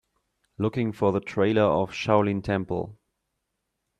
Looking for the trailer for Shaolin Temple